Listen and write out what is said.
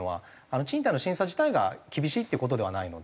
賃貸の審査自体が厳しいっていう事ではないので。